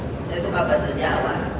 saya suka bahasa jawa